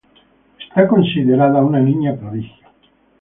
Es considerada una niña prodigio.